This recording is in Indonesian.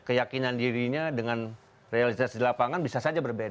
keyakinan dirinya dengan realitas di lapangan bisa saja berbeda